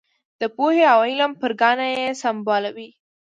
د پوهې او علم پر ګاڼه یې سمبالوي.